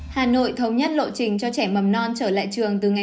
hà nội thống nhất lộ trình cho trẻ mầm non trở lại trường từ ngày một ba